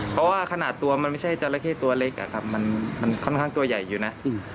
เพราะว่าขนาดตัวมันไม่ใช่จราเข้ตัวเล็กอะครับมันค่อนข้างตัวใหญ่อยู่นะ